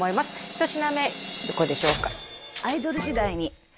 一品目どこでしょうか？